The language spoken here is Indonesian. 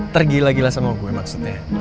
tergila gila sama gue maksudnya